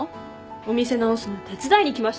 お店直すの手伝いに来ました。